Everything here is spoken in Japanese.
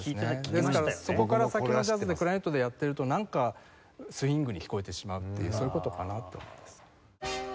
ですからそこから先のジャズでクラリネットでやってるとなんかスウィングに聞こえてしまうっていうそういう事かなと思います。